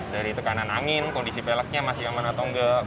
dari tekanan angin kondisi pelaknya masih aman atau enggak